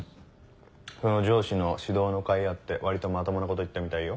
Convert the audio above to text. その上司の指導のかいあって割とまともなこと言ったみたいよ。